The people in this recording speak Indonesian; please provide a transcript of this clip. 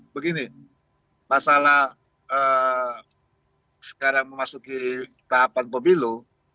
begini masalah sekarang memasuki tahapan pemilu